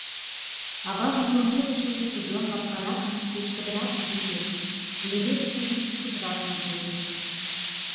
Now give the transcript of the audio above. Аважын тоҥедышыже тудлан лапкаракын, пешкыдыракын чучеш, леведышыже вичкыжракын коеш.